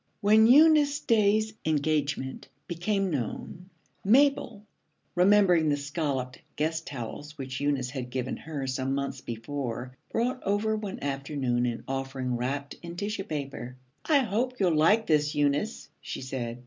When Eunice Day's engagement became known, Mabel, remembering the scalloped guest towels which Eunice had given her some months before, brought over one afternoon an offering wrapped in tissue paper. 'I hope you'll like this, Eunice,' she said.